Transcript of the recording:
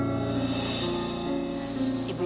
tapi dia masih di sekolah